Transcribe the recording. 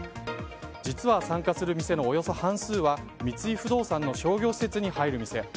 実は参加する店のおよそ半数は三井不動産の商業施設に入る店。